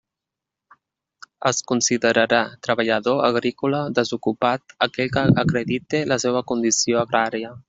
Es considerarà treballador agrícola desocupat aquell que acredite la seua condició agrària.